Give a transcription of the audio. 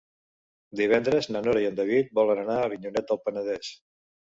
Divendres na Nora i en David volen anar a Avinyonet del Penedès.